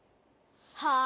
はあ？